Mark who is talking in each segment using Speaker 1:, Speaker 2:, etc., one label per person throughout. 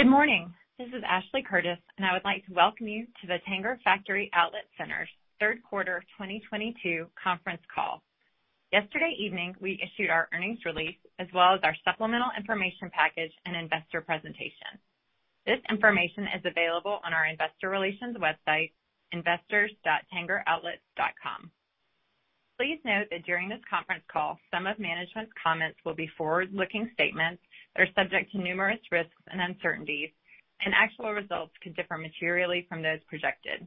Speaker 1: Good morning. This is Ashley Curtis, and I would like to welcome you to the Tanger Factory Outlet Centers' third quarter of 2022 conference call. Yesterday evening, we issued our earnings release, as well as our supplemental information package and investor presentation. This information is available on our investor relations website, investors.tangeroutlets.com. Please note that during this conference call, some of management's comments will be forward-looking statements that are subject to numerous risks and uncertainties, and actual results could differ materially from those projected.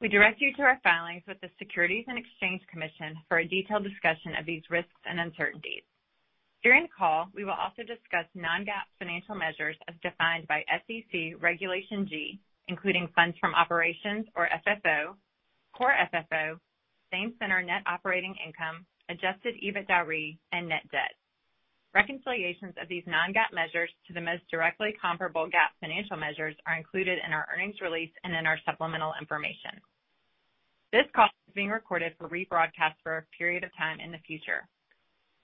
Speaker 1: We direct you to our filings with the Securities and Exchange Commission for a detailed discussion of these risks and uncertainties. During the call, we will also discuss non-GAAP financial measures as defined by SEC Regulation G, including funds from operations or FFO, core FFO, same-center net operating income, adjusted EBITDAre and net debt. Reconciliations of these non-GAAP measures to the most directly comparable GAAP financial measures are included in our earnings release and in our supplemental information. This call is being recorded for rebroadcast for a period of time in the future.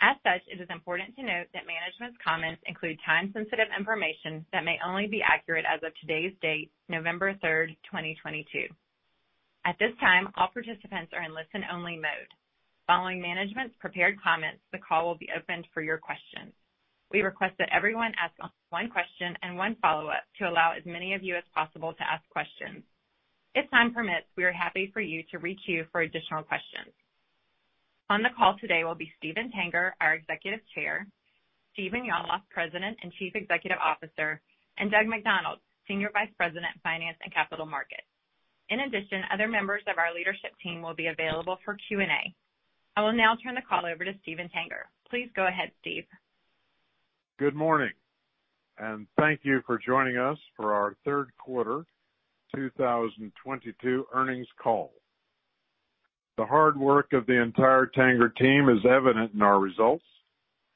Speaker 1: As such, it is important to note that management's comments include time-sensitive information that may only be accurate as of today's date, November 3, 2022. At this time, all participants are in listen-only mode. Following management's prepared comments, the call will be opened for your questions. We request that everyone ask one question and one follow-up to allow as many of you as possible to ask questions. If time permits, we are happy for you to re-queue for additional questions. On the call today will be Steven Tanger, our Executive Chair, Stephen Yalof, President and Chief Executive Officer, and Doug McDonald, Senior Vice President, Finance and Capital Markets. In addition, other members of our leadership team will be available for Q&A. I will now turn the call over to Steven Tanger. Please go ahead, Steve.
Speaker 2: Good morning, and thank you for joining us for our third quarter 2022 earnings call. The hard work of the entire Tanger team is evident in our results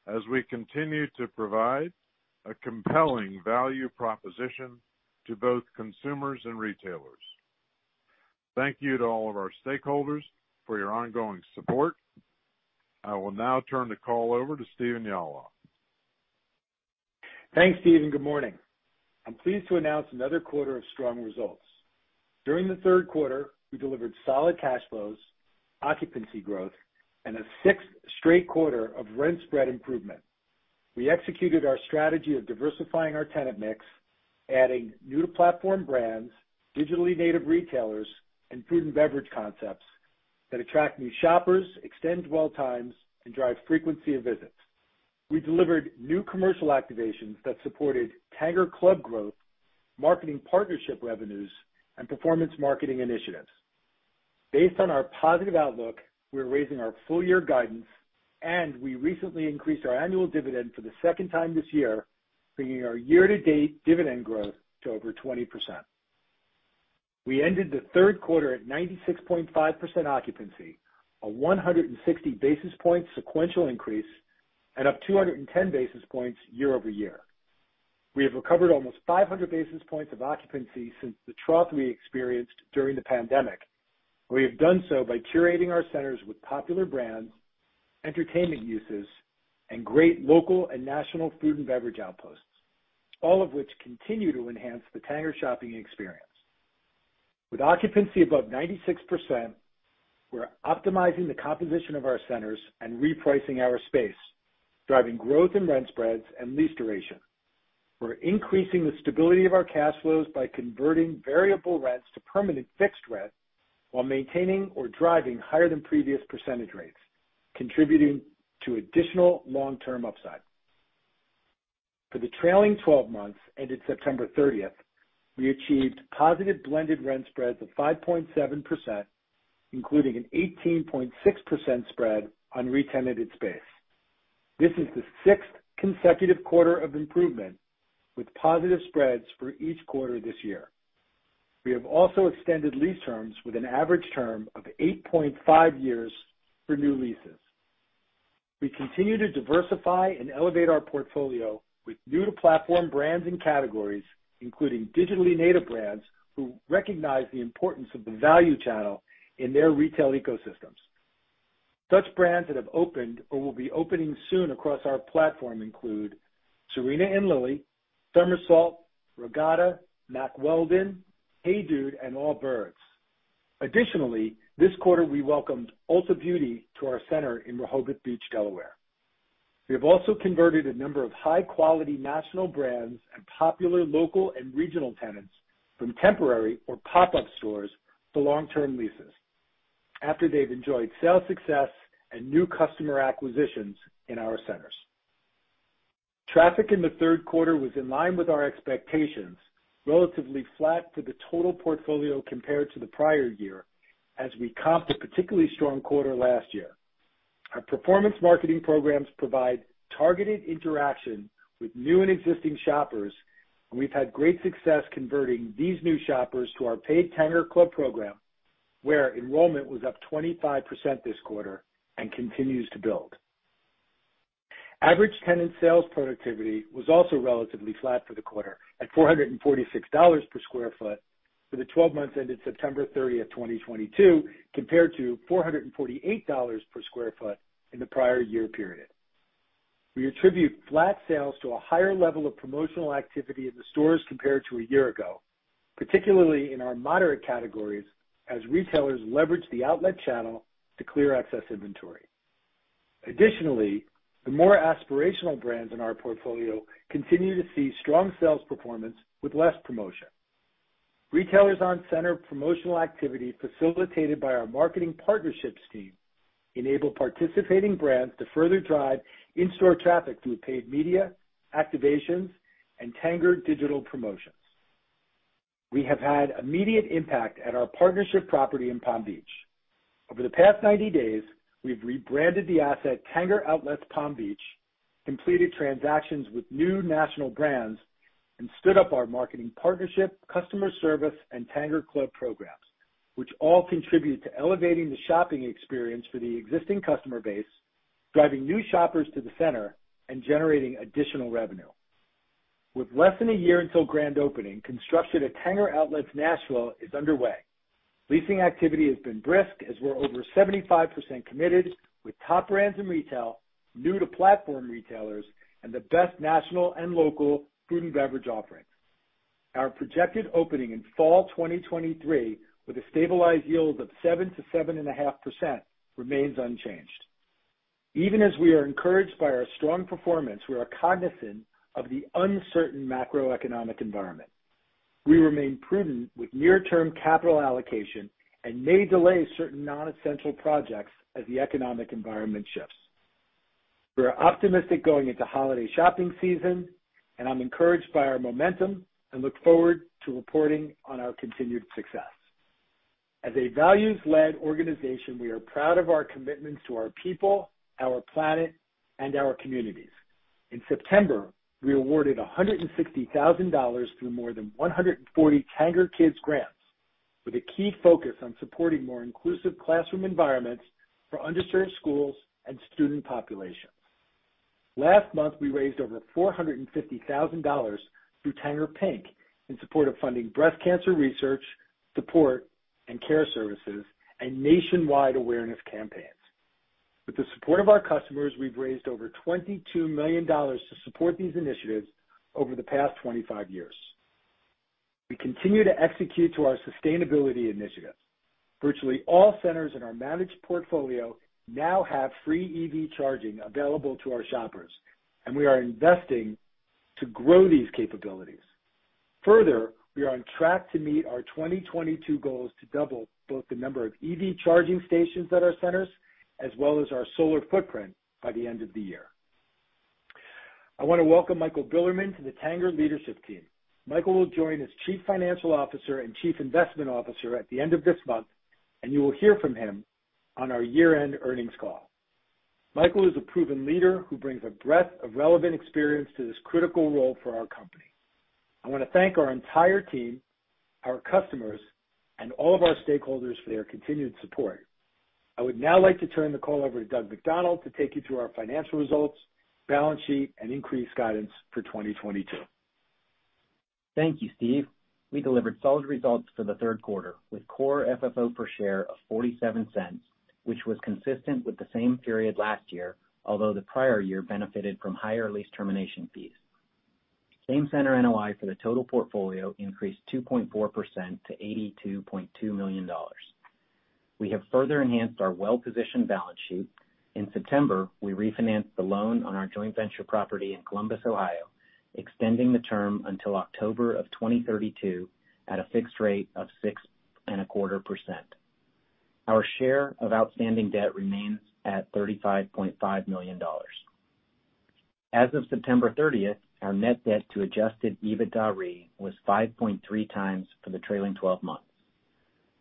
Speaker 2: as we continue to provide a compelling value proposition to both consumers and retailers. Thank you to all of our stakeholders for your ongoing support. I will now turn the call over to Stephen Yalof.
Speaker 3: Thanks, Steve, and good morning. I'm pleased to announce another quarter of strong results. During the third quarter, we delivered solid cash flows, occupancy growth, and a sixth straight quarter of rent spread improvement. We executed our strategy of diversifying our tenant mix, adding new-to-platform brands, digitally native retailers, and food and beverage concepts that attract new shoppers, extend dwell times, and drive frequency of visits. We delivered new commercial activations that supported Tanger Club growth, marketing partnership revenues, and performance marketing initiatives. Based on our positive outlook, we're raising our full-year guidance, and we recently increased our annual dividend for the second time this year, bringing our year-to-date dividend growth to over 20%. We ended the third quarter at 96.5% occupancy, a 160 basis point sequential increase, and up 210 basis points year-over-year. We have recovered almost 500 basis points of occupancy since the trough we experienced during the pandemic. We have done so by curating our centers with popular brands, entertainment uses, and great local and national food and beverage outposts, all of which continue to enhance the Tanger shopping experience. With occupancy above 96%, we're optimizing the composition of our centers and repricing our space, driving growth in rent spreads and lease duration. We're increasing the stability of our cash flows by converting variable rents to permanent fixed rent while maintaining or driving higher than previous percentage rates, contributing to additional long-term upside. For the trailing twelve months ended September 30, we achieved positive blended rent spreads of 5.7%, including an 18.6% spread on retenanted space. This is the sixth consecutive quarter of improvement with positive spreads for each quarter this year. We have also extended lease terms with an average term of 8.5 years for new leases. We continue to diversify and elevate our portfolio with new-to-platform brands and categories, including digitally native brands who recognize the importance of the value channel in their retail ecosystems. Such brands that have opened or will be opening soon across our platform include Serena & Lily, Thermasalt, Regatta, Mack Weldon, Hey Dude, and Allbirds. Additionally, this quarter, we welcomed Ulta Beauty to our center in Rehoboth Beach, Delaware. We have also converted a number of high-quality national brands and popular local and regional tenants from temporary or pop-up stores to long-term leases after they've enjoyed sales success and new customer acquisitions in our centers. Traffic in the third quarter was in line with our expectations, relatively flat for the total portfolio compared to the prior year as we comped a particularly strong quarter last year. Our performance marketing programs provide targeted interaction with new and existing shoppers, and we've had great success converting these new shoppers to our paid Tanger Club program, where enrollment was up 25% this quarter and continues to build. Average tenant sales productivity was also relatively flat for the quarter at $446 per sq ft. For the twelve months ended September 30, 2022, compared to $448 per sq ft in the prior year period. We attribute flat sales to a higher level of promotional activity in the stores compared to a year ago, particularly in our moderate categories, as retailers leverage the outlet channel to clear excess inventory. Additionally, the more aspirational brands in our portfolio continue to see strong sales performance with less promotion. Retailers on center promotional activity facilitated by our marketing partnerships team enable participating brands to further drive in-store traffic through paid media, activations, and Tanger digital promotions. We have had immediate impact at our partnership property in Palm Beach. Over the past 90 days, we've rebranded the asset Tanger Outlets Palm Beach, completed transactions with new national brands, and stood up our marketing partnership, customer service, and Tanger Club programs, which all contribute to elevating the shopping experience for the existing customer base, driving new shoppers to the center, and generating additional revenue. With less than a year until grand opening, construction at Tanger Outlets Nashville is underway. Leasing activity has been brisk as we're over 75% committed with top brands in retail, new to platform retailers, and the best national and local food and beverage offering. Our projected opening in fall 2023, with a stabilized yield of 7%-7.5% remains unchanged. Even as we are encouraged by our strong performance, we are cognizant of the uncertain macroeconomic environment. We remain prudent with near-term capital allocation and may delay certain non-essential projects as the economic environment shifts. We're optimistic going into holiday shopping season, and I'm encouraged by our momentum and look forward to reporting on our continued success. As a values-led organization, we are proud of our commitments to our people, our planet, and our communities. In September, we awarded $160,000 through more than 140 TangerKids grants, with a key focus on supporting more inclusive classroom environments for underserved schools and student populations. Last month, we raised over $450,000 through Tanger Pink in support of funding breast cancer research, support, and care services, and nationwide awareness campaigns. With the support of our customers, we've raised over $22 million to support these initiatives over the past 25 years. We continue to execute to our sustainability initiatives. Virtually all centers in our managed portfolio now have free EV charging available to our shoppers, and we are investing to grow these capabilities. Further, we are on track to meet our 2022 goals to double both the number of EV charging stations at our centers as well as our solar footprint by the end of the year. I want to welcome Michael Bilerman to the Tanger leadership team. Michael will join as Chief Financial Officer and Chief Investment Officer at the end of this month, and you will hear from him on our year-end earnings call. Michael is a proven leader who brings a breadth of relevant experience to this critical role for our company. I want to thank our entire team, our customers, and all of our stakeholders for their continued support. I would now like to turn the call over to Doug McDonald to take you through our financial results, balance sheet, and increased guidance for 2022.
Speaker 4: Thank you, Steve. We delivered solid results for the third quarter, with Core FFO per share of $0.47, which was consistent with the same period last year, although the prior year benefited from higher lease termination fees. Same-center NOI for the total portfolio increased 2.4% to $82.2 million. We have further enhanced our well-positioned balance sheet. In September, we refinanced the loan on our joint venture property in Columbus, Ohio, extending the term until October 2032 at a fixed rate of 6.25%. Our share of outstanding debt remains at $35.5 million. As of September 30, our net debt to adjusted EBITDAre was 5.3 times for the trailing twelve months.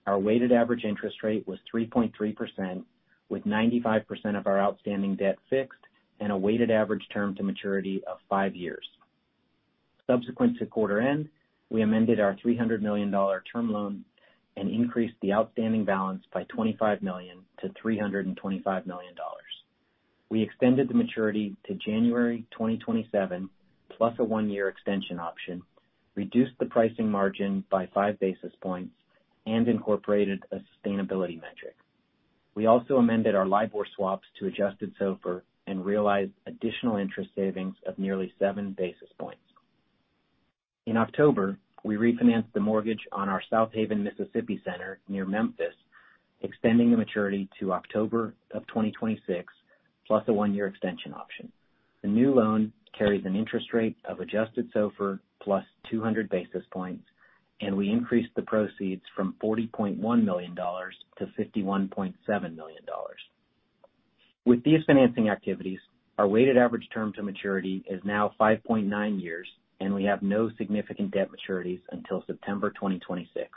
Speaker 4: Our weighted average interest rate was 3.3%, with 95% of our outstanding debt fixed and a weighted average term to maturity of five years. Subsequent to quarter end, we amended our $300 million term loan and increased the outstanding balance by $25 million to $325 million. We extended the maturity to January 2027, plus a one-year extension option, reduced the pricing margin by five basis points, and incorporated a sustainability metric. We also amended our LIBOR swaps to adjusted SOFR and realized additional interest savings of nearly seven basis points. In October, we refinanced the mortgage on our Southaven, Mississippi center near Memphis, extending the maturity to October 2026, plus a one-year extension option. The new loan carries an interest rate of adjusted SOFR plus 200 basis points, and we increased the proceeds from $40.1 million to $51.7 million. With these financing activities, our weighted average term to maturity is now 5.9 years, and we have no significant debt maturities until September 2026.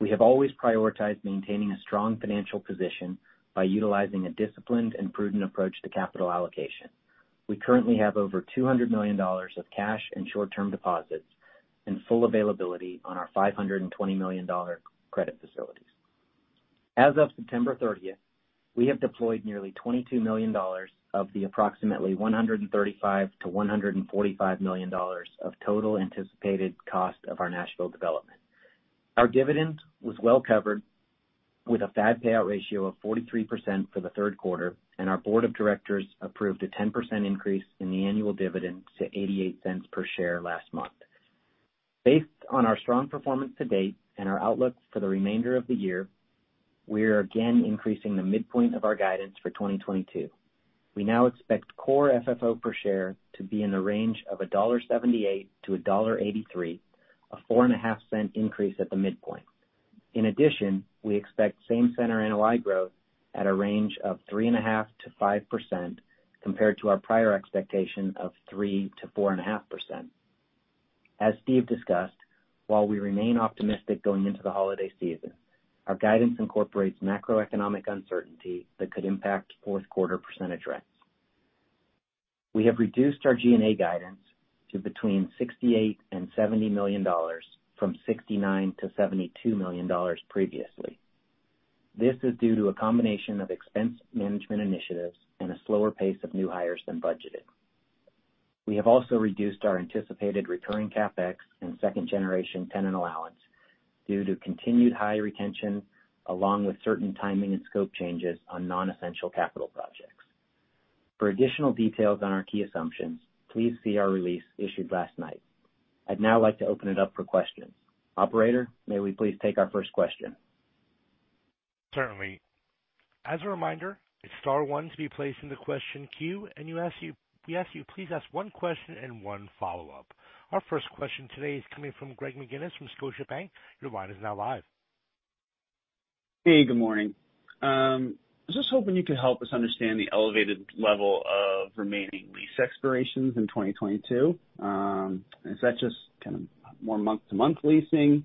Speaker 4: We have always prioritized maintaining a strong financial position by utilizing a disciplined and prudent approach to capital allocation. We currently have over $200 million of cash and short-term deposits and full availability on our $520 million credit facilities. As of September thirtieth, we have deployed nearly $22 million of the approximately $135 million-$145 million of total anticipated cost of our Nashville development. Our dividend was well covered with a FAD payout ratio of 43% for the third quarter, and our board of directors approved a 10% increase in the annual dividend to $0.88 per share last month. Based on our strong performance to date and our outlook for the remainder of the year, we are again increasing the midpoint of our guidance for 2022. We now expect Core FFO per share to be in the range of $1.78-$1.83, a 4.5-cent increase at the midpoint. In addition, we expect same-center NOI growth at a range of 3.5%-5% compared to our prior expectation of 3%-4.5%. As Steve discussed, while we remain optimistic going into the holiday season, our guidance incorporates macroeconomic uncertainty that could impact fourth quarter percentage rents. We have reduced our G&A guidance to between $68 million and $70 million from $69 million to $72 million previously. This is due to a combination of expense management initiatives and a slower pace of new hires than budgeted. We have also reduced our anticipated recurring CapEx and second-generation tenant allowance due to continued high retention, along with certain timing and scope changes on non-essential capital projects. For additional details on our key assumptions, please see our release issued last night. I'd now like to open it up for questions. Operator, may we please take our first question?
Speaker 5: Certainly. As a reminder, it's star one to be placed in the question queue, and we ask you please ask one question and one follow-up. Our first question today is coming from Greg McGinniss from Scotiabank. Your line is now live.
Speaker 6: Hey, good morning. I was just hoping you could help us understand the elevated level of remaining lease expirations in 2022. Is that just kind of more month-to-month leasing?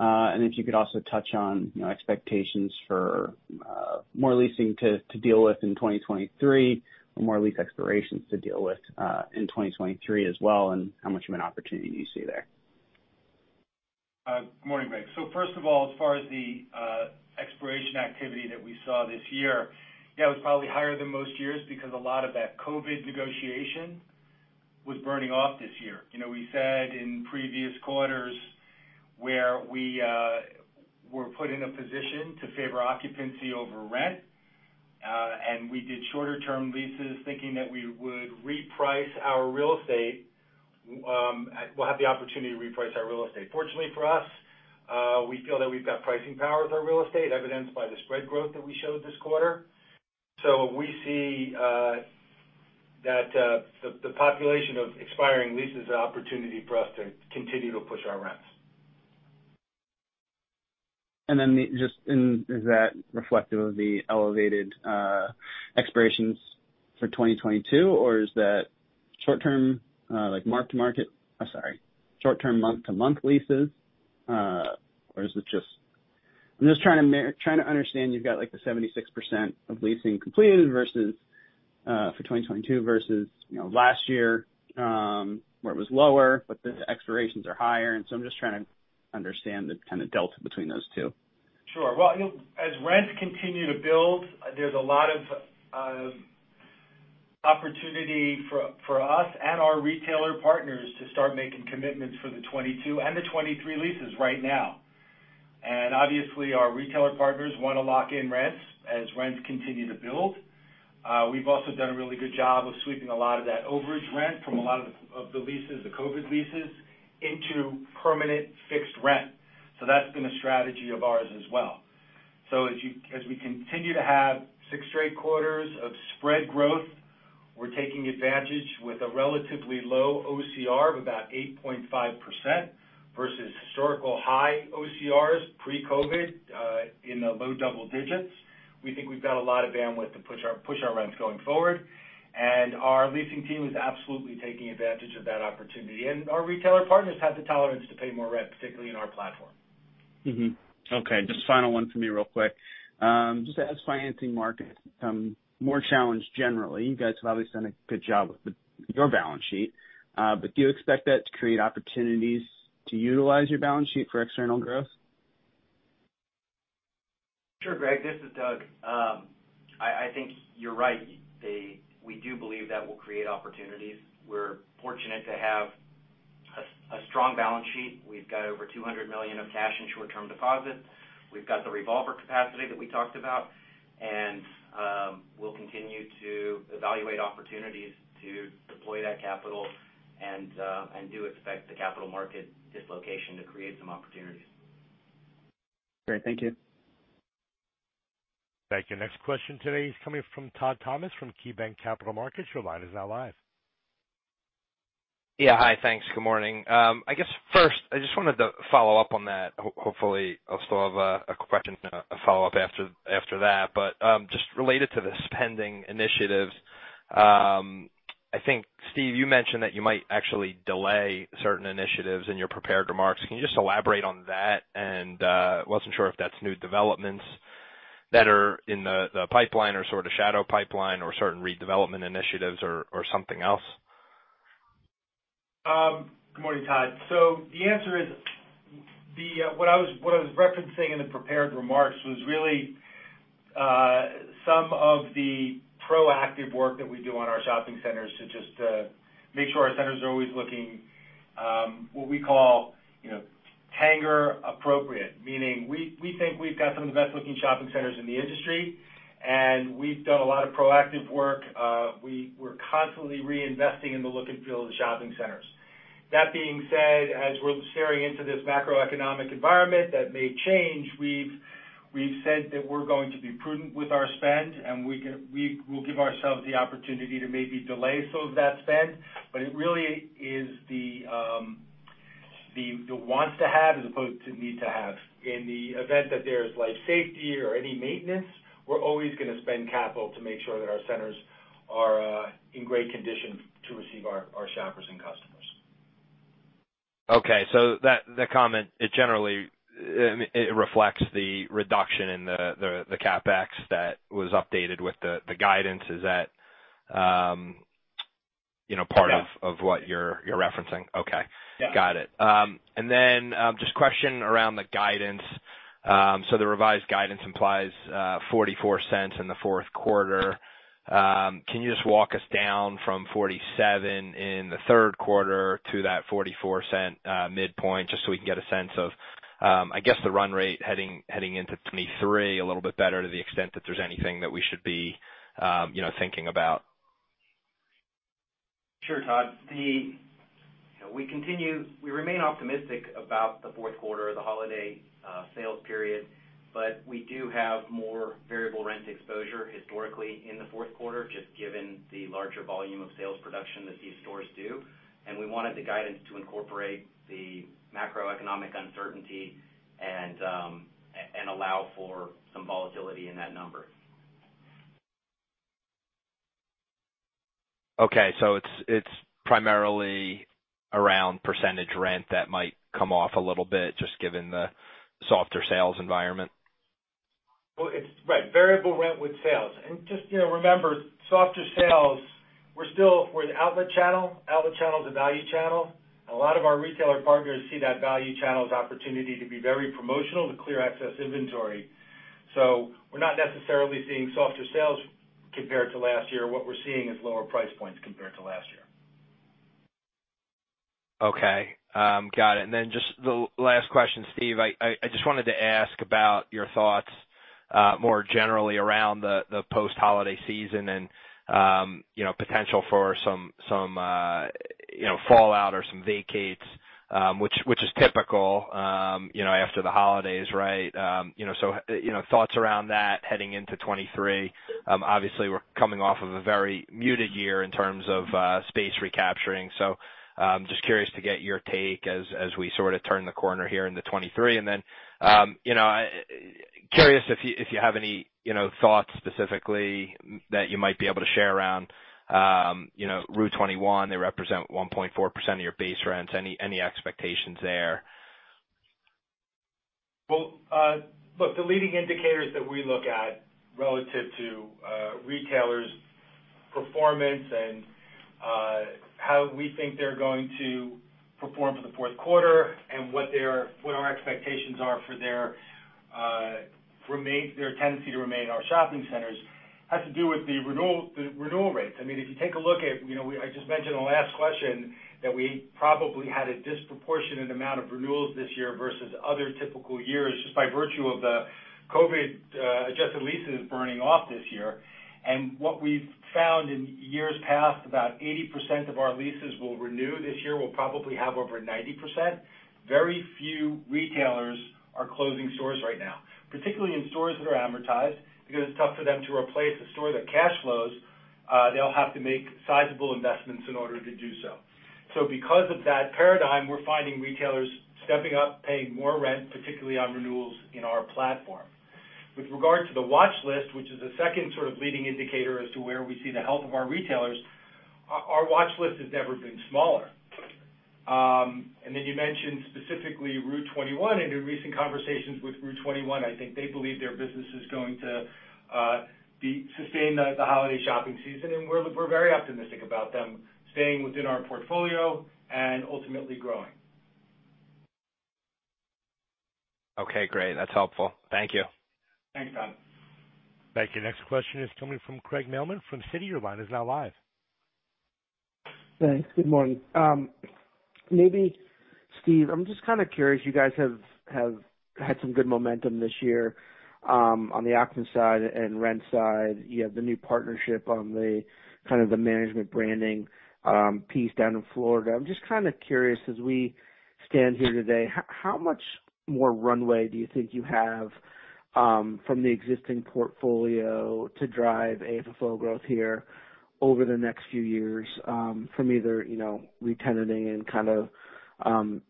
Speaker 6: And if you could also touch on, you know, expectations for more leasing to deal with in 2023 or more lease expirations to deal with in 2023 as well, and how much of an opportunity you see there.
Speaker 3: Good morning, Greg. First of all, as far as the expiration activity that we saw this year. Yeah, it was probably higher than most years because a lot of that COVID negotiation was burning off this year. You know, we said in previous quarters where we were put in a position to favor occupancy over rent, and we did shorter term leases thinking that we would reprice our real estate, we'll have the opportunity to reprice our real estate. Fortunately for us, we feel that we've got pricing power with our real estate, evidenced by the spread growth that we showed this quarter. We see that the population of expiring leases is an opportunity for us to continue to push our rents.
Speaker 6: Just in, is that reflective of the elevated expirations for 2022, or is that short term, like mark-to-market? I'm sorry, short-term month-to-month leases, or is it just. I'm just trying to understand. You've got, like, the 76% of leasing completed versus for 2022 versus, you know, last year, where it was lower, but the expirations are higher. And so I'm just trying to understand the kind of delta between those two.
Speaker 3: Sure. Well, you know, as rents continue to build, there's a lot of opportunity for us and our retailer partners to start making commitments for the 2022 and the 2023 leases right now. Obviously, our retailer partners wanna lock in rents as rents continue to build. We've also done a really good job of sweeping a lot of that overage rent from a lot of the leases, the COVID leases, into permanent fixed rent. That's been a strategy of ours as well. As we continue to have six straight quarters of spread growth, we're taking advantage with a relatively low OCR of about 8.5% versus historical high OCRs pre-COVID in the low double digits. We think we've got a lot of bandwidth to push our rents going forward, and our leasing team is absolutely taking advantage of that opportunity. Our retailer partners have the tolerance to pay more rent, particularly in our platform.
Speaker 6: Okay, just final one for me real quick. Just as financing markets become more challenged generally, you guys have obviously done a good job with your balance sheet. Do you expect that to create opportunities to utilize your balance sheet for external growth?
Speaker 4: Sure, Greg, this is Doug. I think you're right. We do believe that will create opportunities. We're fortunate to have a strong balance sheet. We've got over $200 million of cash and short-term deposits. We've got the revolver capacity that we talked about, and we'll continue to evaluate opportunities to deploy that capital and do expect the capital market dislocation to create some opportunities.
Speaker 6: Great. Thank you.
Speaker 5: Thank you. Next question today is coming from Todd Thomas from KeyBanc Capital Markets. Your line is now live.
Speaker 7: Yeah. Hi. Thanks. Good morning. I guess first I just wanted to follow up on that. Hopefully, I'll still have a question, a follow-up after that. I think, Steve, you mentioned that you might actually delay certain initiatives in your prepared remarks. Can you just elaborate on that? I wasn't sure if that's new developments that are in the pipeline or sort of shadow pipeline or certain redevelopment initiatives or something else.
Speaker 3: Good morning, Todd. The answer is what I was referencing in the prepared remarks was really some of the proactive work that we do on our shopping centers to just make sure our centers are always looking what we call, you know, Tanger appropriate. Meaning, we think we've got some of the best looking shopping centers in the industry, and we've done a lot of proactive work. We're constantly reinvesting in the look and feel of the shopping centers. That being said, as we're steering into this macroeconomic environment, that may change. We've said that we're going to be prudent with our spend, and we will give ourselves the opportunity to maybe delay some of that spend. It really is the wants to have as opposed to need to have. In the event that there is life safety or any maintenance, we're always gonna spend capital to make sure that our centers are in great condition to receive our shoppers and customers.
Speaker 7: Okay. That comment, it generally, I mean, it reflects the reduction in the CapEx that was updated with the guidance. Is that, you know, part of?
Speaker 3: Yeah.
Speaker 7: of what you're referencing? Okay.
Speaker 3: Yeah.
Speaker 7: Got it. Just a question around the guidance. The revised guidance implies $0.44 in the fourth quarter. Can you just walk us down from $0.47 in the third quarter to that $0.44 midpoint, just so we can get a sense of the run rate heading into 2023 a little bit better to the extent that there's anything that we should be you know, thinking about?
Speaker 4: Sure, Todd. We remain optimistic about the fourth quarter, the holiday sales period, but we do have more variable rent exposure historically in the fourth quarter, just given the larger volume of sales production that these stores do. We wanted the guidance to incorporate the macroeconomic uncertainty and allow for some volatility in that number.
Speaker 7: Okay. It's primarily around percentage rent that might come off a little bit, just given the softer sales environment.
Speaker 3: Well, right. Variable rent with sales. Just, you know, remember, softer sales, we're still the outlet channel. Outlet channel is a value channel. A lot of our retailer partners see that value channel as opportunity to be very promotional to clear excess inventory. We're not necessarily seeing softer sales compared to last year. What we're seeing is lower price points compared to last year.
Speaker 7: Okay. Got it. Just the last question, Steve. I just wanted to ask about your thoughts, more generally around the post-holiday season and, you know, potential for some fallout or some vacates, which is typical, you know, after the holidays, right? You know, thoughts around that heading into 2023. Obviously, we're coming off of a very muted year in terms of space recapturing. Just curious to get your take as we sort of turn the corner here into 2023. You know, curious if you have any thoughts specifically that you might be able to share around, you know, Rue21. They represent 1.4% of your base rents. Any expectations there?
Speaker 3: Well, look, the leading indicators that we look at relative to retailers' performance and how we think they're going to perform for the fourth quarter and what our expectations are for their tendency to remain in our shopping centers has to do with the renewal rates. I mean, if you take a look at, you know, I just mentioned the last question that we probably had a disproportionate amount of renewals this year versus other typical years, just by virtue of the COVID adjusted leases burning off this year. What we've found in years past, about 80% of our leases will renew. This year, we'll probably have over 90%. Very few retailers are closing stores right now, particularly in stores that are amortized, because it's tough for them to replace a store that cash flows. They'll have to make sizable investments in order to do so. Because of that paradigm, we're finding retailers stepping up, paying more rent, particularly on renewals in our platform. With regard to the watch list, which is the second sort of leading indicator as to where we see the health of our retailers, our watch list has never been smaller. You mentioned specifically Rue21. In the recent conversations with Rue21, I think they believe their business is going to sustain the holiday shopping season, and we're very optimistic about them staying within our portfolio and ultimately growing.
Speaker 7: Okay, great. That's helpful. Thank you.
Speaker 3: Thanks, Todd.
Speaker 5: Thank you. Next question is coming from Craig Mailman from Citi. Your line is now live.
Speaker 8: Thanks. Good morning. Maybe Steve, I'm just kind of curious. You guys have had some good momentum this year on the occupancy side and rent side. You have the new partnership on the kind of the management branding piece down in Florida. I'm just kind of curious, as we stand here today, how much more runway do you think you have from the existing portfolio to drive AFFO growth here over the next few years from either, you know, retenanting and kind of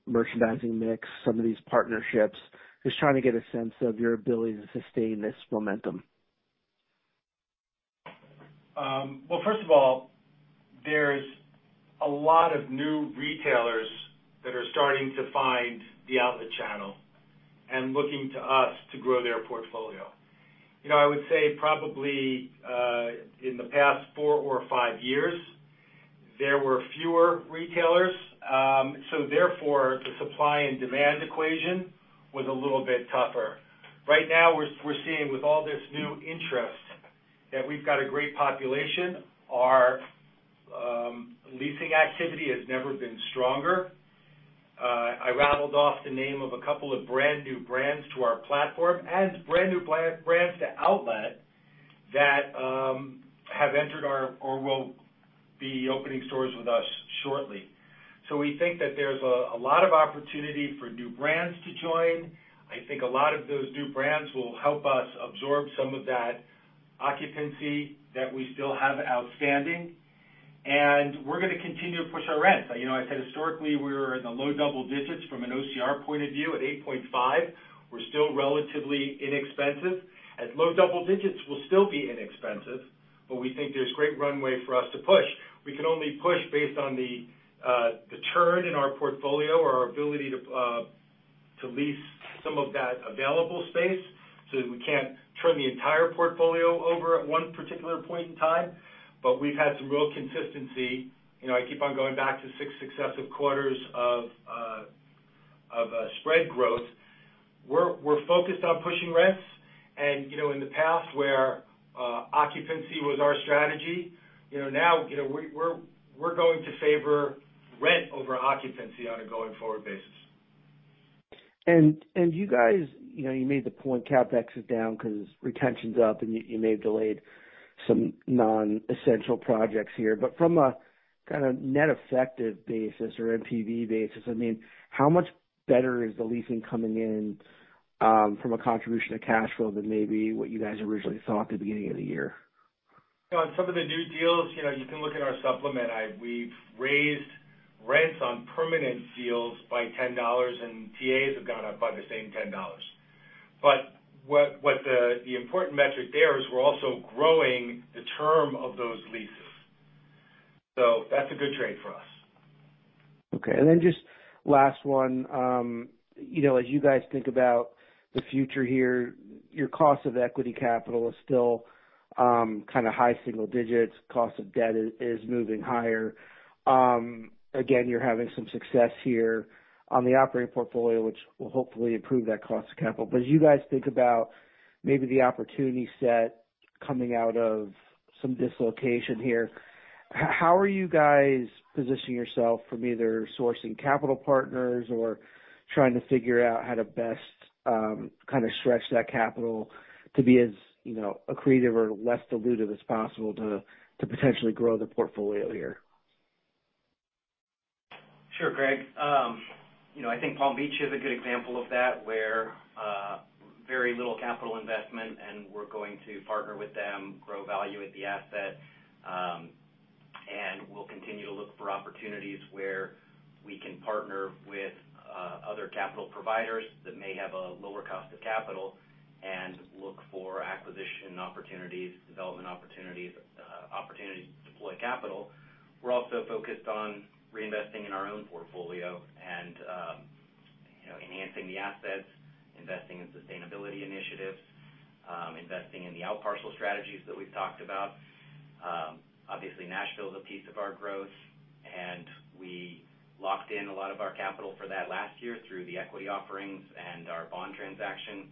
Speaker 8: merchandising mix, some of these partnerships? Just trying to get a sense of your ability to sustain this momentum.
Speaker 3: Well, first of all, there's a lot of new retailers to find the outlet channel and looking to us to grow their portfolio. You know, I would say probably in the past four or five years, there were fewer retailers. Therefore, the supply and demand equation was a little bit tougher. Right now, we're seeing with all this new interest that we've got a great population. Our leasing activity has never been stronger. I rattled off the name of a couple of brand new brands to our platform as brand new brands to outlet that have entered or will be opening stores with us shortly. We think that there's a lot of opportunity for new brands to join. I think a lot of those new brands will help us absorb some of that occupancy that we still have outstanding, and we're gonna continue to push our rents. You know, I said historically, we were in the low double digits from an OCR point of view at 8.5. We're still relatively inexpensive, as low double digits will still be inexpensive, but we think there's great runway for us to push. We can only push based on the turn in our portfolio or our ability to lease some of that available space so that we can't turn the entire portfolio over at one particular point in time. We've had some real consistency. You know, I keep on going back to six successive quarters of spread growth. We're focused on pushing rents. You know, in the past where occupancy was our strategy, you know, now, you know, we're going to favor rent over occupancy on a going forward basis.
Speaker 8: You guys, you know, you made the point CapEx is down 'cause retention's up, and you may have delayed some non-essential projects here. From a kind of net effective basis or NPV basis, I mean, how much better is the leasing coming in from a contribution to cash flow than maybe what you guys originally thought at the beginning of the year?
Speaker 3: On some of the new deals, you know, you can look at our supplement. We've raised rents on permanent deals by $10, and TAs have gone up by the same $10. But what the important metric there is we're also growing the term of those leases. That's a good trade for us.
Speaker 8: Okay. Just last one. You know, as you guys think about the future here, your cost of equity capital is still kind of high single digits. Cost of debt is moving higher. Again, you're having some success here on the operating portfolio, which will hopefully improve that cost of capital. As you guys think about maybe the opportunity set coming out of some dislocation here, how are you guys positioning yourself from either sourcing capital partners or trying to figure out how to best kind of stretch that capital to be as, you know, accretive or less dilutive as possible to potentially grow the portfolio here?
Speaker 4: Sure, Greg. You know, I think Palm Beach is a good example of that, where very little capital investment, and we're going to partner with them, grow value at the asset. We'll continue to look for opportunities where we can partner with other capital providers that may have a lower cost of capital and look for acquisition opportunities, development opportunities to deploy capital. We're also focused on reinvesting in our own portfolio and, you know, enhancing the assets, investing in sustainability initiatives, investing in the out parcel strategies that we've talked about. Obviously, Nashville is a piece of our growth, and we locked in a lot of our capital for that last year through the equity offerings and our bond transaction,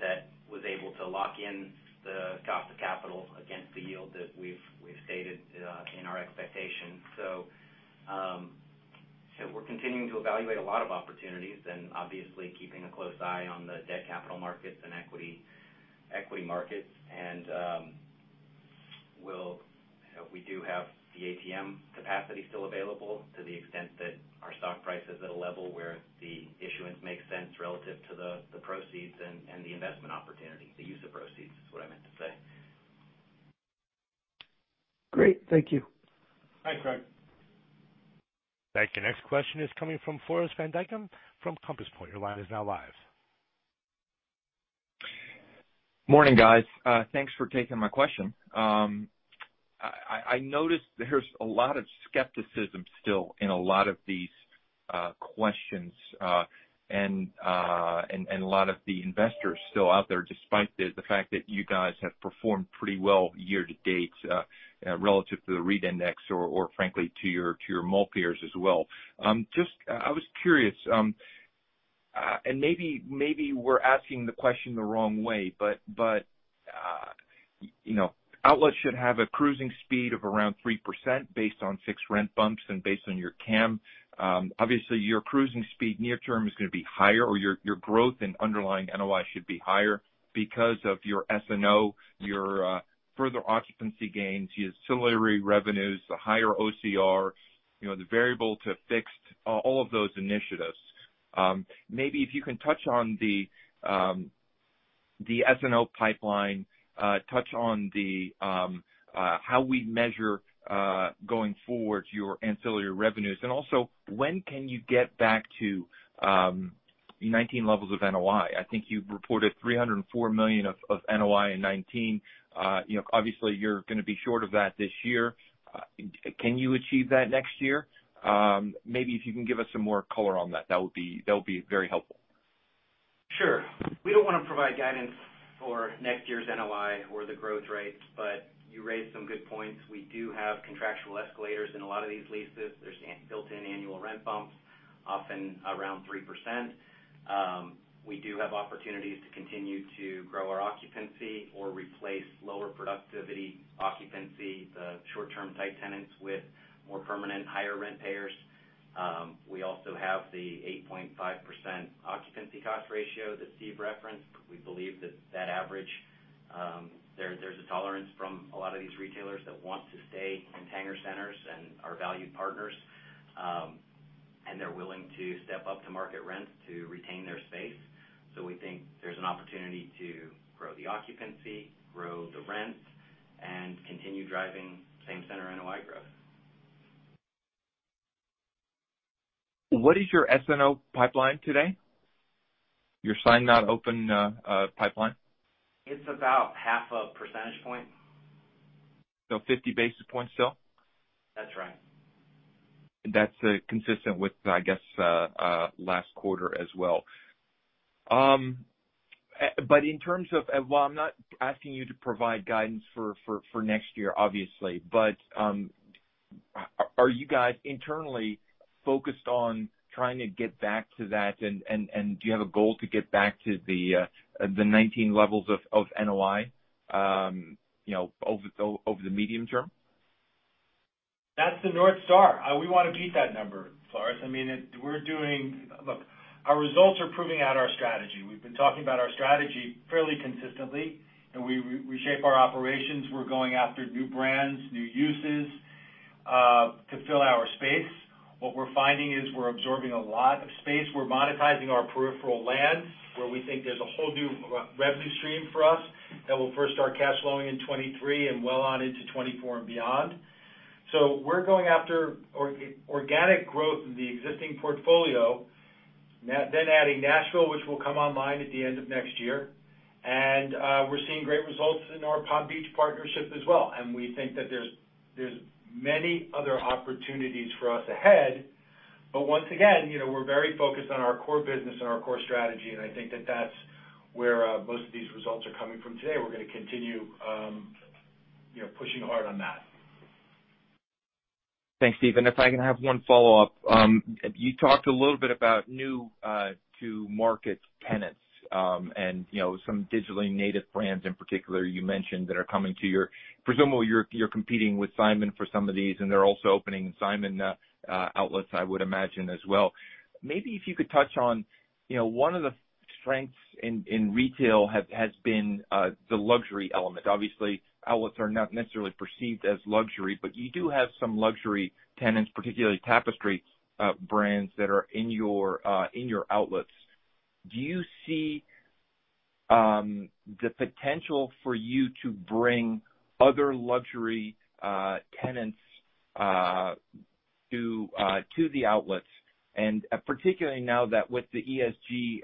Speaker 4: that was able to lock in the cost of capital against the yield that we've stated in our expectations. We're continuing to evaluate a lot of opportunities and obviously keeping a close eye on the debt capital markets and equity markets. We do have the ATM capacity still available to the extent that our stock price is at a level where the issuance makes sense relative to the proceeds and the investment opportunity. The use of proceeds is what I meant to say.
Speaker 8: Great. Thank you.
Speaker 3: Bye, Greg.
Speaker 5: Thank you. Next question is coming from Floris van Dijkum from Compass Point. Your line is now live.
Speaker 9: Morning, guys. Thanks for taking my question. I noticed there's a lot of skepticism still in a lot of these questions and a lot of the investors still out there, despite the fact that you guys have performed pretty well year to date relative to the REIT index or frankly to your mall peers as well. I was curious and maybe we're asking the question the wrong way, but you know, outlets should have a cruising speed of around 3% based on 6 rent bumps and based on your CAM. Obviously, your cruising speed near term is gonna be higher or your growth and underlying NOI should be higher because of your SNO, your further occupancy gains, the ancillary revenues, the higher OCR, you know, the variable to fixed, all of those initiatives. Maybe if you can touch on the SNO pipeline, touch on how we measure going forward your ancillary revenues. Also, when can you get back to 2019 levels of NOI. I think you've reported $304 million of NOI in 2019. You know, obviously you're gonna be short of that this year. Can you achieve that next year? Maybe if you can give us some more color on that would be very helpful.
Speaker 3: Sure. We don't wanna provide guidance for next year's NOI or the growth rates, but you raised some good points. We do have contractual escalators in a lot of these leases. There's built-in annual rent bumps, often around 3%. We do have opportunities to continue to grow our occupancy or replace lower productivity occupancy, the short-term type tenants with more permanent higher rent payers. We also have the 8.5% occupancy cost ratio that Steve referenced. We believe that average, there's a tolerance from a lot of these retailers that want to stay in Tanger Centers and are valued partners, and they're willing to step up to market rents to retain their space. We think there's an opportunity to grow the occupancy, grow the rent, and continue driving same-center NOI growth.
Speaker 9: What is your SNO pipeline today? Your signed not open pipeline.
Speaker 3: It's about half a percentage point.
Speaker 9: 50 basis points still?
Speaker 3: That's right.
Speaker 9: That's consistent with, I guess, last quarter as well. While I'm not asking you to provide guidance for next year, obviously, but are you guys internally focused on trying to get back to that and do you have a goal to get back to the 2019 levels of NOI, you know, over the medium term?
Speaker 3: That's the North Star. We wanna beat that number, Floris. I mean, it. We're doing. Look, our results are proving out our strategy. We've been talking about our strategy fairly consistently, and we shape our operations. We're going after new brands, new uses, to fill our space. What we're finding is we're absorbing a lot of space. We're monetizing our peripheral land, where we think there's a whole new revenue stream for us that will first start cash flowing in 2023 and well on into 2024 and beyond. We're going after organic growth in the existing portfolio, then adding Nashville, which will come online at the end of next year. We're seeing great results in our Palm Beach partnership as well. We think that there's many other opportunities for us ahead. Once again, you know, we're very focused on our core business and our core strategy, and I think that that's where most of these results are coming from today. We're gonna continue, you know, pushing hard on that.
Speaker 9: Thanks, Steven. If I can have one follow-up. You talked a little bit about new to market tenants, and you know, some digitally native brands in particular you mentioned that are coming to your. Presumably, you're competing with Simon for some of these, and they're also opening in Simon outlets, I would imagine as well. Maybe if you could touch on, you know, one of the strengths in retail has been the luxury element. Obviously, outlets are not necessarily perceived as luxury, but you do have some luxury tenants, particularly Tapestry brands that are in your outlets. Do you see the potential for you to bring other luxury tenants to the outlets? And particularly now that with the ESG,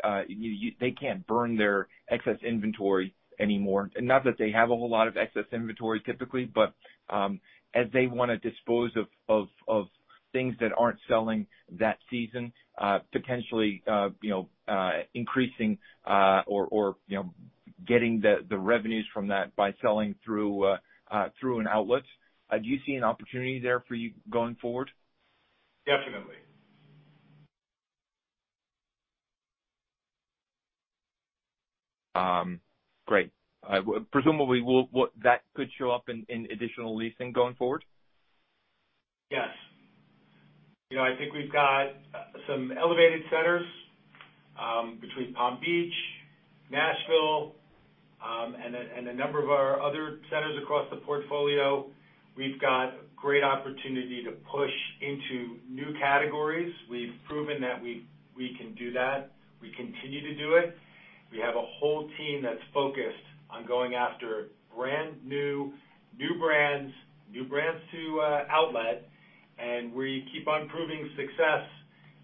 Speaker 9: they can't burn their excess inventory anymore. Not that they have a whole lot of excess inventory typically, but as they wanna dispose of things that aren't selling that season, potentially you know increasing or you know getting the revenues from that by selling through an outlet. Do you see an opportunity there for you going forward?
Speaker 3: Definitely.
Speaker 9: Great. Presumably, that could show up in additional leasing going forward?
Speaker 3: Yes. You know, I think we've got some elevated centers between Palm Beach, Nashville, and a number of our other centers across the portfolio. We've got great opportunity to push into new categories. We've proven that we can do that. We continue to do it. We have a whole team that's focused on going after brand-new, new brands to outlet, and we keep on proving success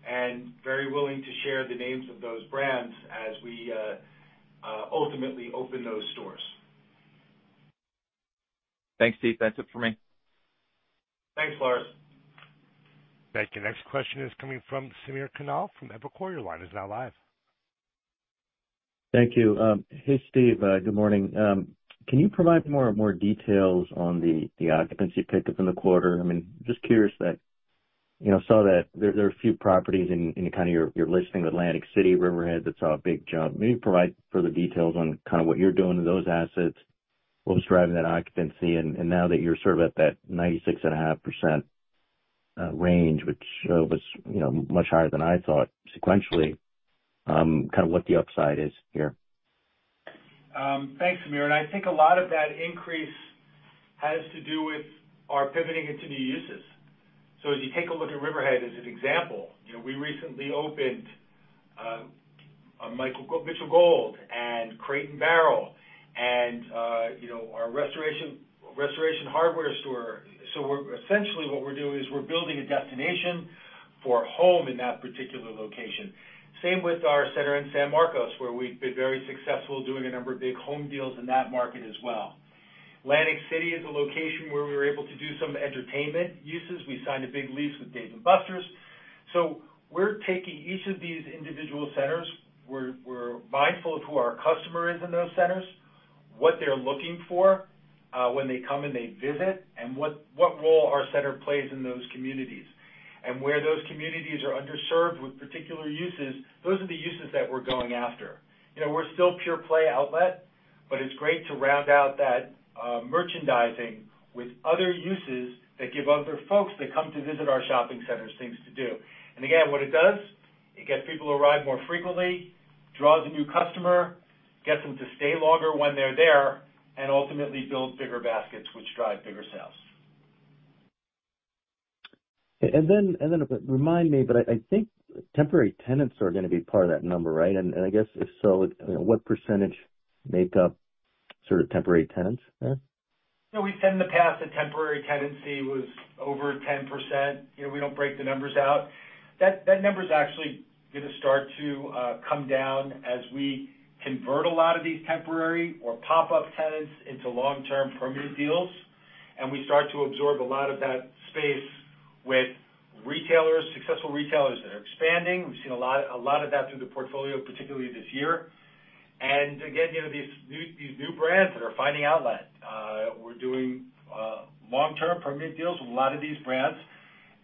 Speaker 3: and very willing to share the names of those brands as we ultimately open those stores.
Speaker 9: Thanks, Steve. That's it for me.
Speaker 3: Thanks, Floris.
Speaker 5: Thank you. Next question is coming from Samir Khanal from Evercore ISI. Your line is now live.
Speaker 10: Thank you. Hey, Steven. Good morning. Can you provide more details on the occupancy pickup in the quarter? I mean, just curious. You know, I saw that there are a few properties in kind of your locations in Atlantic City, Riverhead, that saw a big jump. Maybe provide further details on kind of what you're doing with those assets, what was driving that occupancy, and now that you're sort of at that 96.5% range, which was, you know, much higher than I thought sequentially, kind of what the upside is here.
Speaker 3: Thanks, Samir. I think a lot of that increase has to do with our pivoting into new uses. As you take a look at Riverhead as an example, you know, we recently opened Mitchell Gold + Bob Williams, Crate & Barrel and, you know, our Restoration Hardware store. We're essentially what we're doing is we're building a destination for home in that particular location. Same with our center in San Marcos, where we've been very successful doing a number of big home deals in that market as well. Atlantic City is a location where we were able to do some entertainment uses. We signed a big lease with Dave & Buster's. We're taking each of these individual centers. We're mindful of who our customer is in those centers, what they're looking for, when they come and they visit, and what role our center plays in those communities. Where those communities are underserved with particular uses, those are the uses that we're going after. You know, we're still pure play outlet, but it's great to round out that merchandising with other uses that give other folks that come to visit our shopping centers things to do. Again, what it does, it gets people to arrive more frequently, draws a new customer, gets them to stay longer when they're there, and ultimately build bigger baskets, which drive bigger sales.
Speaker 10: remind me, but I think temporary tenants are gonna be part of that number, right? I guess, if so, you know, what percentage make up sort of temporary tenants there?
Speaker 3: You know, we said in the past that temporary tenancy was over 10%. You know, we don't break the numbers out. That number is actually gonna start to come down as we convert a lot of these temporary or pop-up tenants into long-term permanent deals. We start to absorb a lot of that space with retailers, successful retailers that are expanding. We've seen a lot of that through the portfolio, particularly this year. You know, these new brands that are finding outlet. We're doing long-term permanent deals with a lot of these brands,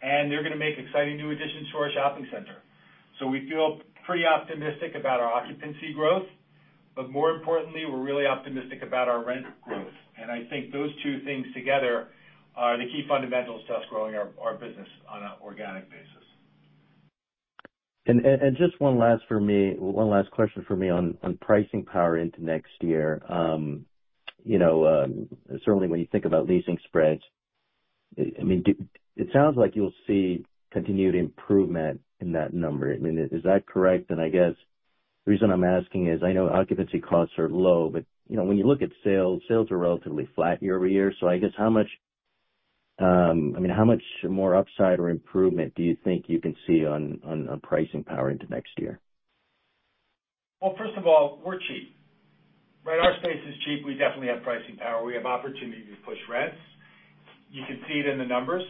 Speaker 3: and they're gonna make exciting new additions to our shopping center. We feel pretty optimistic about our occupancy growth, but more importantly, we're really optimistic about our rent growth. I think those two things together are the key fundamentals to us growing our business on an organic basis.
Speaker 10: Just one last question for me on pricing power into next year. You know, certainly when you think about leasing spreads, I mean, it sounds like you'll see continued improvement in that number. I mean, is that correct? I guess the reason I'm asking is, I know occupancy costs are low, but you know, when you look at sales are relatively flat year-over-year. I guess how much, I mean, how much more upside or improvement do you think you can see on pricing power into next year?
Speaker 3: Well, first of all, we're cheap. Right, our space is cheap. We definitely have pricing power. We have opportunity to push rents. You can see it in the numbers.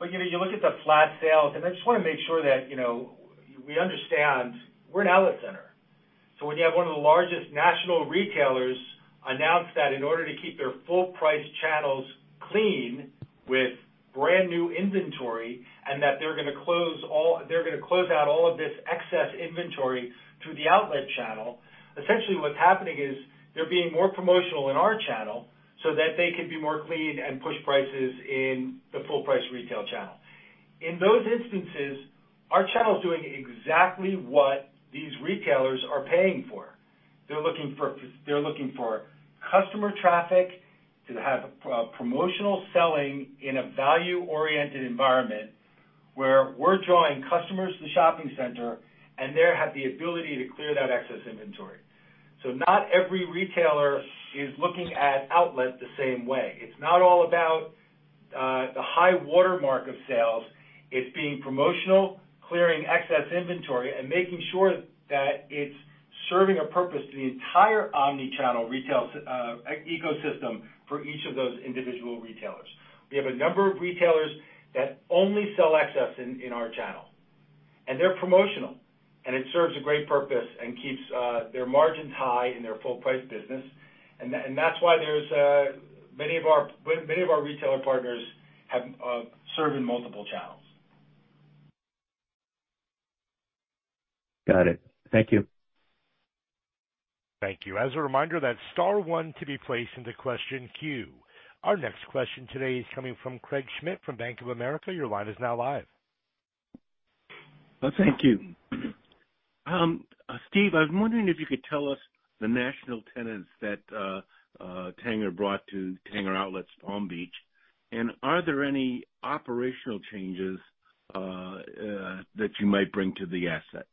Speaker 3: You know, you look at the flat sales, and I just wanna make sure that, you know, we understand we're an outlet center. When you have one of the largest national retailers announce that in order to keep their full price channels clean with brand-new inventory and that they're gonna close out all of this excess inventory through the outlet channel, essentially what's happening is they're being more promotional in our channel so that they can be more clean and push prices in the full-price retail channel. In those instances, our channel is doing exactly what these retailers are paying for. They're looking for customer traffic to have a promotional selling in a value-oriented environment where we're drawing customers to the shopping center, and they have the ability to clear that excess inventory. Not every retailer is looking at outlet the same way. It's not all about, the high watermark of sales. It's being promotional, clearing excess inventory, and making sure that it's serving a purpose to the entire omni-channel retail ecosystem for each of those individual retailers. We have a number of retailers that only sell excess in our channel, and they're promotional, and it serves a great purpose and keeps their margins high in their full price business. That's why there's many of our retailer partners have serve in multiple channels.
Speaker 10: Got it. Thank you.
Speaker 5: Thank you. As a reminder, that's star one to be placed into question queue. Our next question today is coming from Craig Schmidt from Bank of America. Your line is now live.
Speaker 11: Thank you. Steven, I was wondering if you could tell us the national tenants that Tanger brought to Tanger Outlets Palm Beach. Are there any operational changes that you might bring to the asset?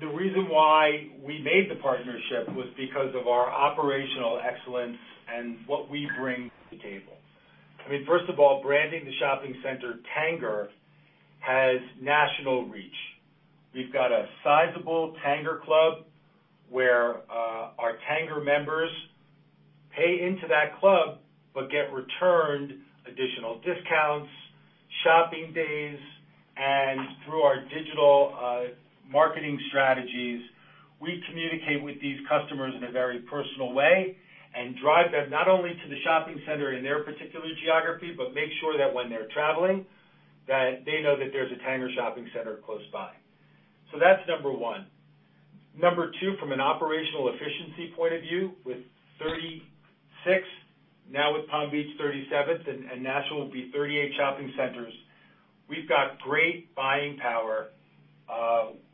Speaker 3: The reason why we made the partnership was because of our operational excellence and what we bring to the table. I mean, first of all, branding the shopping center Tanger has national reach. We've got a sizable Tanger Club where our Tanger members pay into that club but get returned additional discounts, shopping days. Through our digital marketing strategies, we communicate with these customers in a very personal way and drive them not only to the shopping center in their particular geography, but make sure that when they're traveling, that they know that there's a Tanger shopping center close by. That's number one. Number two, from an operational efficiency point of view, with 36, now with Palm Beach 37th, and Nashville will be 38 shopping centers, we've got great buying power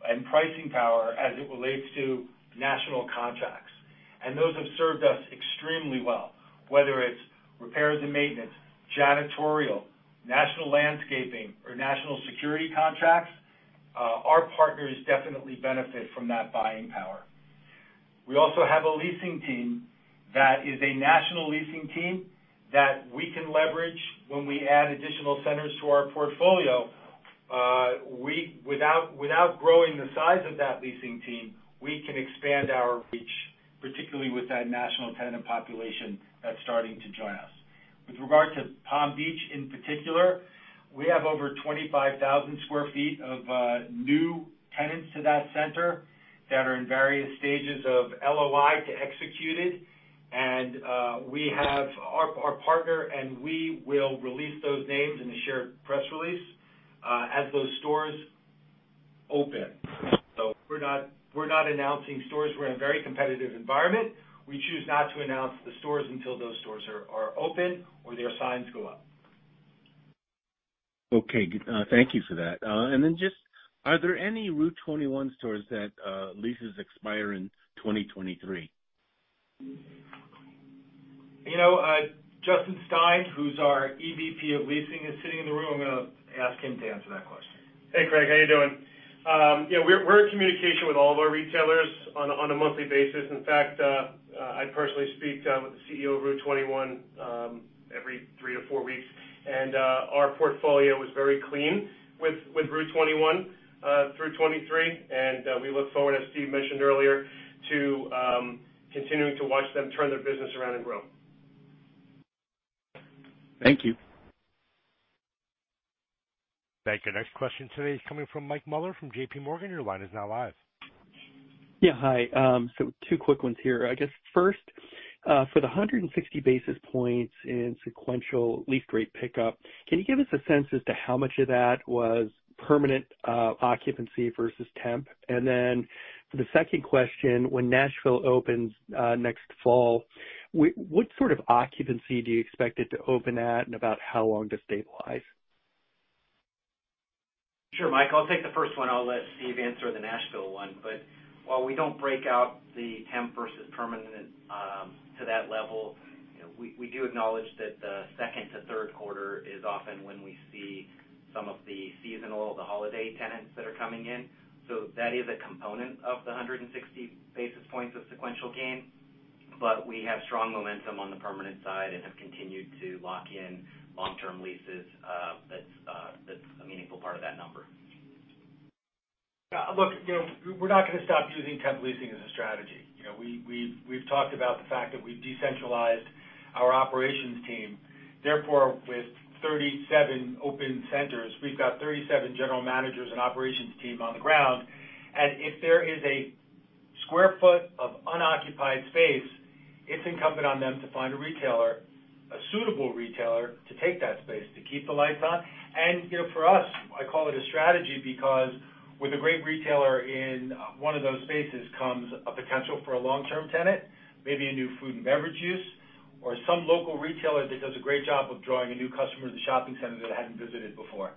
Speaker 3: and pricing power as it relates to national contracts. Those have served us extremely well, whether it's repairs and maintenance, janitorial, national landscaping or national security contracts, our partners definitely benefit from that buying power. We also have a leasing team that is a national leasing team that we can leverage when we add additional centers to our portfolio. Without growing the size of that leasing team, we can expand our reach, particularly with that national tenant population that's starting to join us. With regard to Palm Beach in particular, we have over 25,000 sq ft of new tenants to that center that are in various stages of LOI to executed. We have our partner, and we will release those names in a shared press release, as those stores open. We're not announcing stores. We're in a very competitive environment. We choose not to announce the stores until those stores are open or their signs go up.
Speaker 11: Okay. Good. Thank you for that. Just are there any Rue21 stores that leases expire in 2023?
Speaker 3: You know, Justin Stein, who's our EVP of leasing, is sitting in the room. I'm gonna ask him to answer that question.
Speaker 12: Hey, Craig, how you doing? Yeah, we're in communication with all of our retailers on a monthly basis. In fact, I personally speak with the CEO of Rue21 every three to four weeks. Our portfolio is very clean with Rue21 through 2023. We look forward, as Steve mentioned earlier, to continuing to watch them turn their business around and grow.
Speaker 11: Thank you.
Speaker 5: Thank you. Next question today is coming from Michael Mueller from JP Morgan. Your line is now live.
Speaker 13: Yeah, hi. So two quick ones here. I guess first, for the 160 basis points in sequential lease rate pickup, can you give us a sense as to how much of that was permanent occupancy versus temp? For the second question, when Nashville opens next fall, what sort of occupancy do you expect it to open at, and about how long to stabilize?
Speaker 4: Sure. Mike, I'll take the first one. I'll let Steve answer the Nashville one. While we don't break out the temp versus permanent, to that level, we do acknowledge that the second to third quarter is often when we see some of the seasonal, the holiday tenants that are coming in. That is a component of the 160 basis points of sequential gain. We have strong momentum on the permanent side and have continued to lock in long-term leases, that's a meaningful part of that number.
Speaker 3: Yeah, look, you know, we're not gonna stop using temp leasing as a strategy. You know, we've talked about the fact that we've decentralized our operations team. Therefore, with 37 open centers, we've got 37 general managers and operations team on the ground. If there is a square foot of unoccupied space, it's incumbent on them to find a retailer, a suitable retailer, to take that space to keep the lights on. You know, for us, I call it a strategy because with a great retailer in one of those spaces comes a potential for a long-term tenant, maybe a new food and beverage use or some local retailer that does a great job of drawing a new customer to the shopping center that hadn't visited before.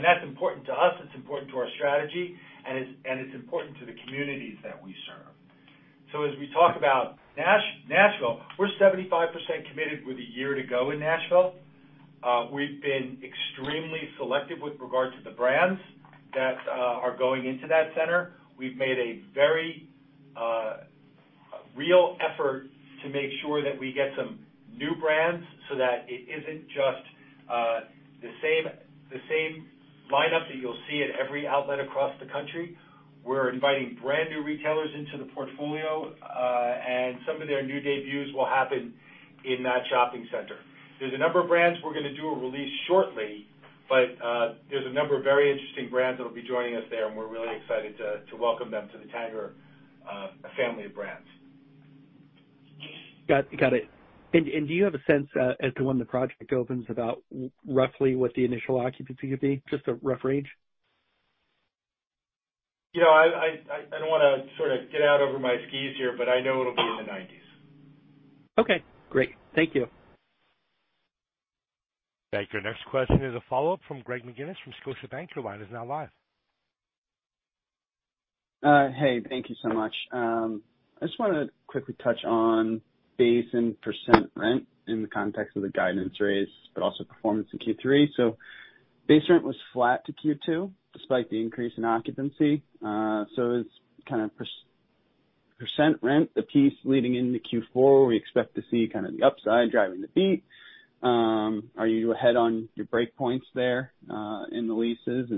Speaker 3: That's important to us, it's important to our strategy, and it's important to the communities that we serve. As we talk about Nashville, we're 75% committed with a year to go in Nashville. We've been extremely selective with regard to the brands that are going into that center. We've made a very real effort to make sure that we get some new brands so that it isn't just the same lineup that you'll see at every outlet across the country. We're inviting brand-new retailers into the portfolio, and some of their new debuts will happen in that shopping center. There's a number of brands we're gonna do a release shortly, but there's a number of very interesting brands that will be joining us there, and we're really excited to welcome them to the Tanger family of brands.
Speaker 13: Got it. Do you have a sense as to when the project opens about roughly what the initial occupancy would be? Just a rough range.
Speaker 3: You know, I don't wanna sort of get out over my skis here, but I know it'll be in the nineties.
Speaker 13: Okay, great. Thank you.
Speaker 5: Thank you. Next question is a follow-up from Greg McGinniss from Scotiabank. Your line is now live.
Speaker 6: Hey, thank you so much. I just wanna quickly touch on base and percent rent in the context of the guidance raise, but also performance in Q3. Base rent was flat to Q2 despite the increase in occupancy. Is kind of percent rent the piece leading into Q4 where we expect to see kind of the upside driving the beat? Are you ahead on your break points there in the leases?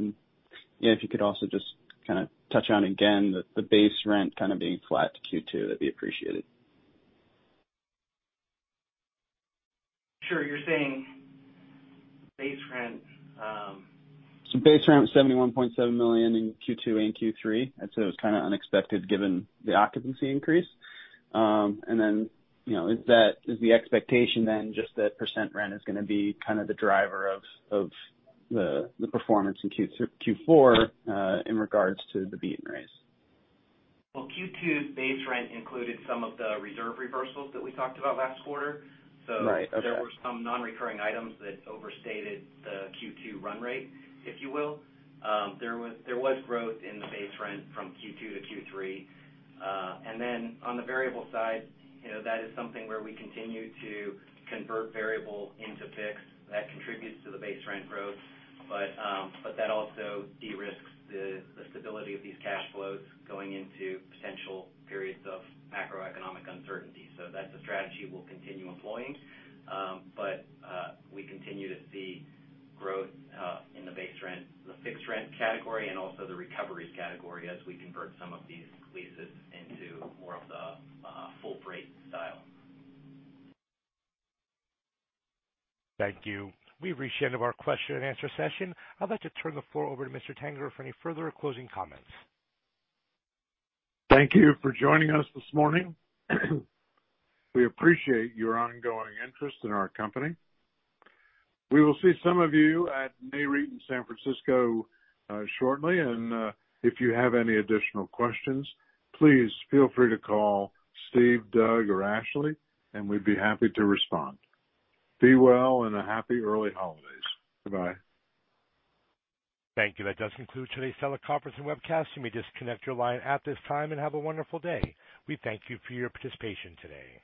Speaker 6: Yeah, if you could also just kinda touch on again the base rent kinda being flat to Q2, that'd be appreciated.
Speaker 4: Sure. You're saying base rent.
Speaker 6: Base rent was $71.7 million in Q2 and Q3. I'd say it was kinda unexpected given the occupancy increase. You know, is the expectation then just that percent rent is gonna be kind of the driver of the performance in Q4 in regards to the beat and raise?
Speaker 4: Well, Q2's base rent included some of the reserve reversals that we talked about last quarter.
Speaker 6: Right. Okay.
Speaker 4: There were some non-recurring items that overstated the Q2 run rate, if you will. There was growth in the base rent from Q2 to Q3. On the variable side, you know, that is something where we continue to convert variable into fixed. That contributes to the base rent growth, but that also de-risks the stability of these cash flows going into potential periods of macroeconomic uncertainty. That's a strategy we'll continue employing. We continue to see growth in the base rent, the fixed rent category, and also the recoveries category as we convert some of these leases into more of the full freight style.
Speaker 5: Thank you. We've reached the end of our question and answer session. I'd like to turn the floor over to Mr. Tanger for any further closing comments.
Speaker 2: Thank you for joining us this morning. We appreciate your ongoing interest in our company. We will see some of you at Nareit in San Francisco shortly. If you have any additional questions, please feel free to call Steve, Doug, or Ashley, and we'd be happy to respond. Be well and a happy early holidays. Goodbye.
Speaker 5: Thank you. That does conclude today's teleconference and webcast. You may disconnect your line at this time and have a wonderful day. We thank you for your participation today.